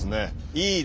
いいですね。